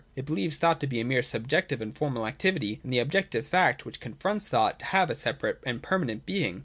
It believes thought to be a mere subjective and formal activity, and the objective fact, which confronts thought, to have a separate and permanent being.